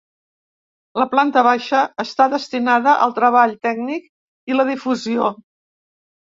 La planta baixa està destinada al treball tècnic i la difusió.